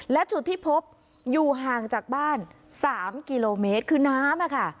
และจุดที่พบอยู่ห่างจากบ้าน๓กิโลเมตรคือน้ำอะค่ะ